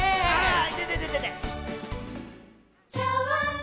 あいてててててっ。